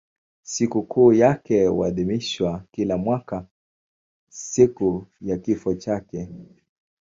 Sikukuu yake huadhimishwa kila mwaka siku ya kifo chake.